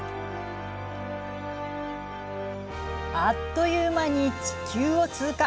あっという間に地球を通過。